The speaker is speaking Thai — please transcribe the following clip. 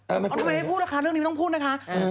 เอาทำไมไม่พูดครั้งนี้ไม่ต้องพูดนะคะ